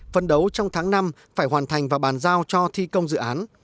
phân đấu trong tháng năm phải hoàn thành và bàn giao cho thi công dự án